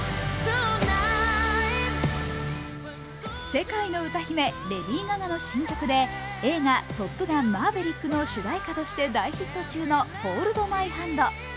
世界の歌姫・レディー・ガガの新曲で映画「トップガンマーヴェリック」の主題歌として大ヒット中の「ＨｏｌｄＭｙＨａｎｄ」。